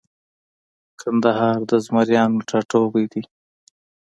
کندهار د زمریانو ټاټوبۍ دی